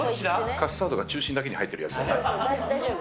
カスタードが中心だけに入ってるやつ。